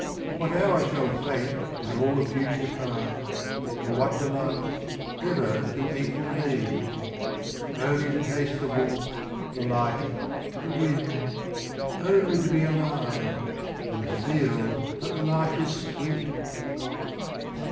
What hour shall Fate in all the future find, Or what delights, ever to equal these: Only to taste the warmth, the light, the wind, Only to be alive, and feel that life is sweet?